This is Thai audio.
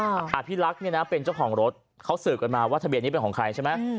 อภิรักษ์เนี่ยนะเป็นเจ้าของรถเขาสืบกันมาว่าทะเบียนนี้เป็นของใครใช่ไหม